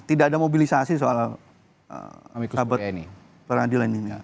tidak ada mobilisasi soal sahabat pengadilan ini